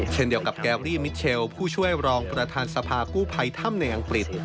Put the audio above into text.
เช่นเดียวกับแกรี่มิเชลผู้ช่วยรองประธานสภากู้ภัยถ้ำในอังกฤษ